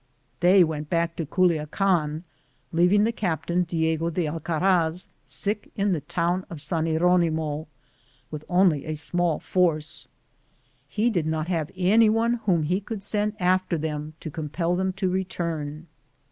They went back to Culiacan, leaving the captain, Diego de Alcaraz, sick in the town of San Hieronimo, with only a small force. He did not have anyone whom he could send after them to compel them to return.